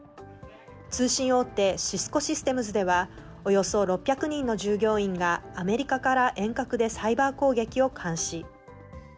通信大手、シスコシステムズでは、およそ６００人の従業員が、アメリカから遠隔でサイバー攻撃を監視。